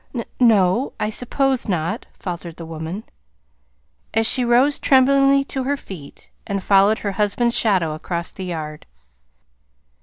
"N no, I suppose not," faltered the woman, as she rose tremblingly to her feet, and followed her husband's shadow across the yard.